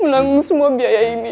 menanggung semua biaya ini